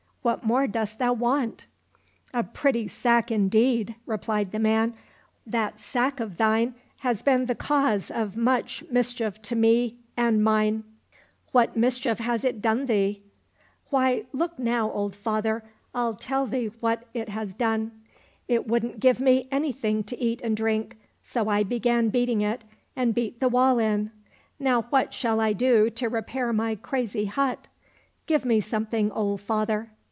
What more dost thou want ?"—" A pretty sack indeed !" replied the man ;" that sack of thine has been the cause of much mischief to me and mine." C 33 COSSACK FAIRY TALES —" What mischief has it done thee ?"—" Why, look now, old father, I'll tell thee what it has done. It wouldn't give me anything to eat and drink, so I began beating it, and beat the wall in. Now what shall I do to repair my crazy hut ? Give me something, old father."